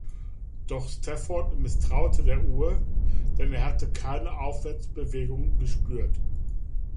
Doch Stafford misstraute der Uhr, denn er hatte keine Aufwärtsbewegung gespürt.